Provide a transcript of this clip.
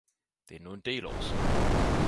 Det er nu en del år siden